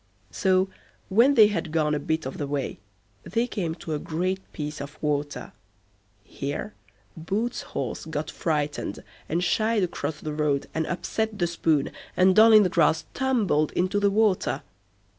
So, when they had gone a bit of the way, they came to a great piece of water. Here Boots' horse got frightened, and shied across the road and upset the spoon, and Doll i' the Grass tumbled into the water.